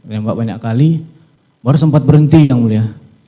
nembak banyak kali baru sempat berhenti yang mulia